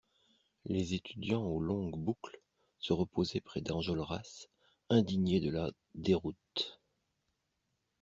Les étudiants aux longues boucles se reposaient près d'Enjolras, indigné de la déroute.